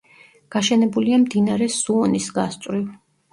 გაშენებულია მდინარე სუონის გასწვრივ.